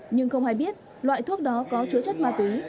nhưng không ai biết loại thuốc đó có chứa chất ma túy